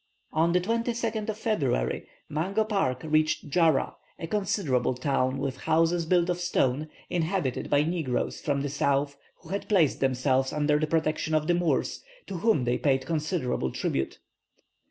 On the 22nd February, Mungo Park reached Jarra, a considerable town, with houses built of stone, inhabited by negroes from the south who had placed themselves under the protection of the Moors, to whom they paid considerable tribute.